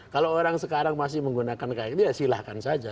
kalau orang sekarang masih menggunakan kiai kiai silahkan saja